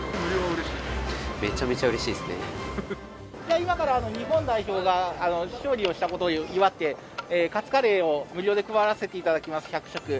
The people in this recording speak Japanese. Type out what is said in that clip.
今から日本代表が勝利をしたことを祝ってカツカレーを無料で配らせていただきます、１００食。